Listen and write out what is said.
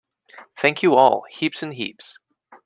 Thank you all, heaps and heaps!